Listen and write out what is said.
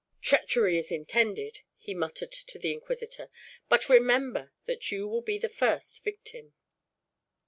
"Treachery is intended," he muttered to the inquisitor; "but remember that you will be the first victim."